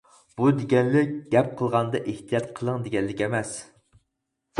بۇ دېگەنلىك گەپ قىلغاندا ئېھتىيات قىلىڭ، دېگەنلىك ئەمەس.